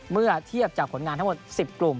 เมื่อเทียบจากผลงานทั้งหมด๑๐กลุ่ม